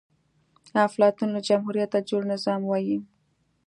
افلاطون له جمهوريته جوړ نظام وای